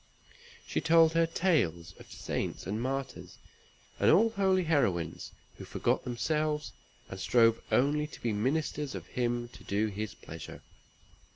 She told her tales of saints and martyrs, and all holy heroines, who forgot themselves, and strove only to be "ministers of Him, to do His pleasure."